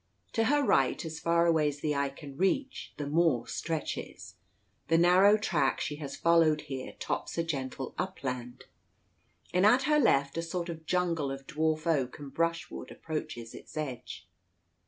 To her right, as far away as the eye can reach, the moor stretches. The narrow track she has followed here tops a gentle upland, and at her left a sort of jungle of dwarf oak and brushwood approaches its edge.